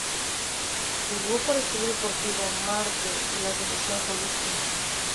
Jugó para el Club Deportivo Marte y la Selección Jalisco.